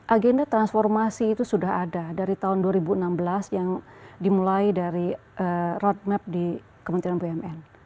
agenda transformasi itu sudah ada dari tahun dua ribu enam belas yang dimulai dari roadmap di kementerian bumn